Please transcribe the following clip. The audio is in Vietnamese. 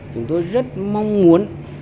chúng tôi rất mong muốn